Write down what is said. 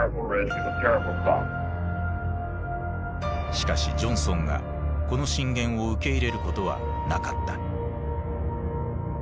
しかしジョンソンがこの進言を受け入れることはなかった。